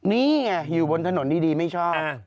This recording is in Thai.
นี่ไงอยู่บนถนนดีไม่ชอบ